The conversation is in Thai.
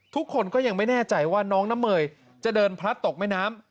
ทุกคนก็ยังไม่แน่ใจว่าน้องน้ำเมยจะเดินพลัดตกแม่น้ำ